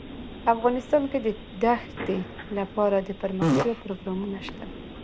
افغانستان کې د دښتې لپاره دپرمختیا پروګرامونه شته.